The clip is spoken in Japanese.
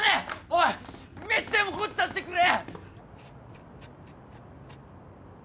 おい飯でもゴチさせてくれ！